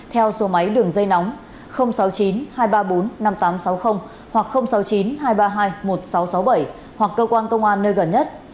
theo số máy đường dây nóng sáu mươi chín hai trăm ba mươi bốn năm nghìn tám trăm sáu mươi hoặc sáu mươi chín hai trăm ba mươi hai một nghìn sáu trăm sáu mươi bảy hoặc cơ quan công an nơi gần nhất